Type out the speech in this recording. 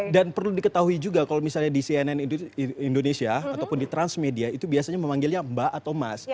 dan perlu diketahui juga kalau misalnya di cnn indonesia ataupun di transmedia itu biasanya memanggilnya mbak atau mas